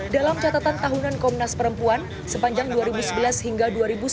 dalam catatan tahunan komnas perempuan sepanjang dua ribu sebelas hingga dua ribu sembilan belas